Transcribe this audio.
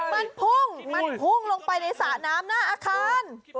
มันพุ่งมันพุ่งลงไปในสระน้ำหน้าอาคาร